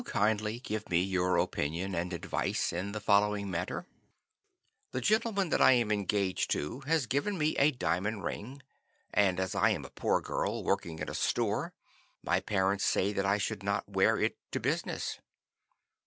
"Will you kindly give me your opinion and advice in the following matter: The gentleman that I am engaged to has given me a diamond ring, and as I am a poor girl, working in a store, my parents say that I should not wear it to business.